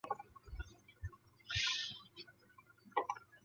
队长为伊丹耀司。